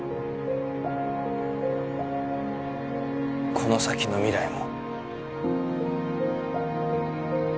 この先の未来も。